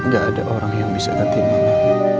gak ada orang yang bisa hati mama